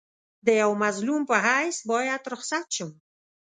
د یوه مظلوم په حیث باید رخصت شم.